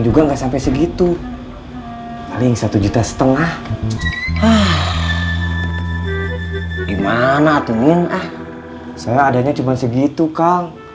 juga enggak sampai segitu paling satu juta setengah gimana tengin ah saya adanya cuma segitu kang